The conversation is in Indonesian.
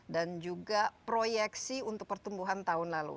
dan juga proyeksi untuk pertumbuhan tahun lalu